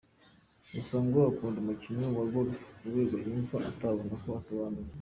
Gusa ngo akunda umukino wa Golf ku rwego yumva atabona uko asobanura.